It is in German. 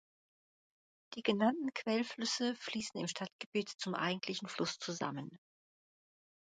Die genannten Quellflüsse fließen im Stadtgebiet zum eigentlichen Fluss zusammen.